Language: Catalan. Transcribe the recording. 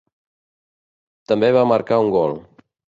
També va marcar un gol.